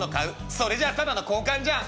「それじゃあただの交換じゃん」。